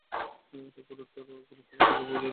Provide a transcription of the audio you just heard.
এটার গুরুতরতা কেউ বুঝছেই না।